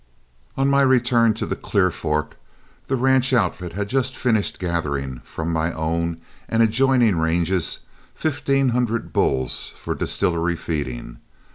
On my return to the Clear Fork, the ranch outfit had just finished gathering from my own and adjoining ranges fifteen hundred bulls for distillery feeding.